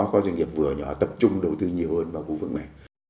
và các doanh nghiệp vừa nhỏ tập trung đầu tư nhiều hơn vào khu vực nông nghiệp